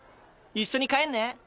一緒に帰んねぇ？